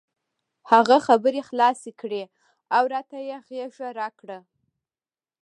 هغه خبرې خلاصې کړې او راته یې غېږه راکړه.